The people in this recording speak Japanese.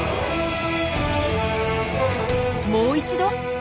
もう一度。